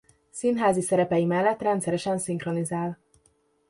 Színházi szerepei mellett rendszeresen szinkronizál.